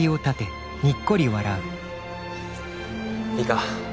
いいか？